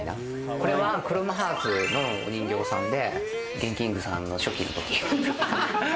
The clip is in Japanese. これはクロムハーツのお人形さんでＧＥＮＫＩＮＧ．さんの初期の時。